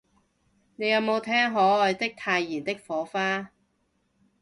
你有無聽可愛的太妍的火花